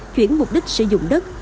chuyển mục đích sử dụng đất